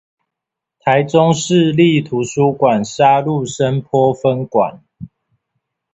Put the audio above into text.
臺中市立圖書館沙鹿深波分館